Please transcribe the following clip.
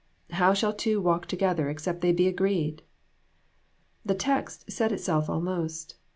" [How shall two walk together except they be agreed ?'" This text said itself almost.